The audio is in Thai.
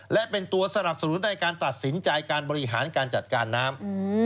และเป็นตัวสนับสนุนในการตัดสินใจการบริหารการจัดการน้ำ